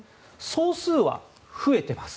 総数は増えてます。